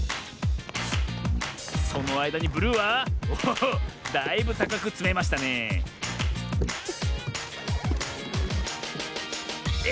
そのあいだにブルーはおおだいぶたかくつめましたねええ